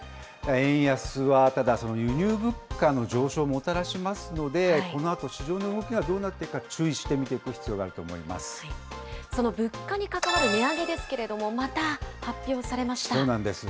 円安はただ、輸入物価の上昇をもたらしますので、このあと市場の動きがどうなっていくか、注意して見ていく必要がその物価に関わる値上げですそうなんです。